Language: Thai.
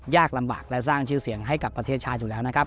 ลำบากและสร้างชื่อเสียงให้กับประเทศชาติอยู่แล้วนะครับ